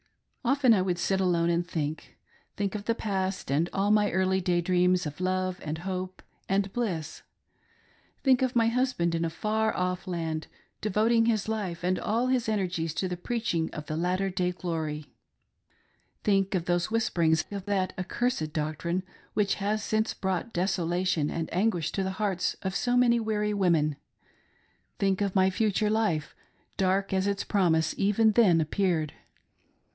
Often I would sit alone and think — think of the past and all my early day dreams of love, and hope, and bliss ; think of my husband in a far off land devoting his life and all his ener gies to the preaching of the latter day glory ; think of those whisperings of that accursed doctrine which has since brought desolation and anguish to the hearts of so many weary women; THE MISSIONARY IN ITALY. lO/ think of my future liiie, dark as its promise even then ap peared.